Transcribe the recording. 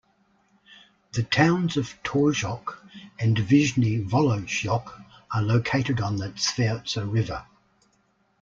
The towns of Torzhok and Vyshny Volochyok are located on the Tvertsa River.